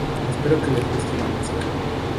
Espero que les guste la música.